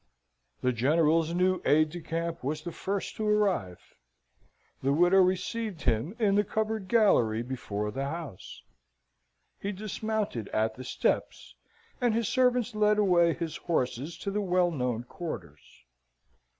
The General's new aide de camp was the first to arrive. The widow received him in the covered gallery before the house. He dismounted at the steps, and his servants led away his horses to the well known quarters.